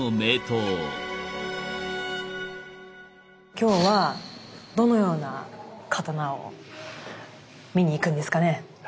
今日はどのような刀を見に行くんですかね？